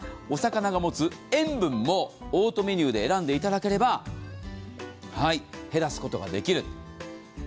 お魚が持つ塩分も、オートメニューで選んでいただければ減らすことができる。